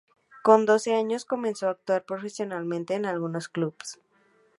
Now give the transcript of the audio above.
Con doce años comenzó a actuar profesionalmente en algunos clubes.